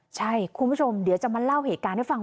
ใช่คุณผู้ชมเดี๋ยวจะมาเล่าเหตุการณ์ให้ฟัง